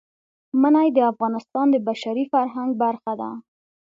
منی د افغانستان د بشري فرهنګ برخه ده.